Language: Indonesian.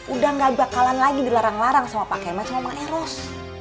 udah gak bakalan lagi dilarang larang sama pak kema sama pak neros